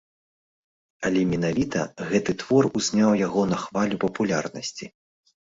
Але менавіта гэты твор узняў яго на хвалю папулярнасці.